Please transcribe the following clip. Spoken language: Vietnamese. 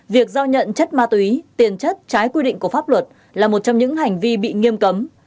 việc giao nhận chất ma túy tiền chất trái quy định của pháp luật là một trong những hành vi bị nghiêm cấm